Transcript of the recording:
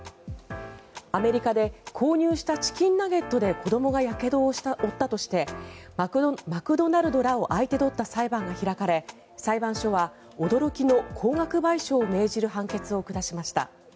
アメリカで購入したチキンナゲットで子どもがやけどを負ったとしてマクドナルドらを相手取った裁判が開かれ裁判所は驚きの高額賠償を命じる判決を下しました。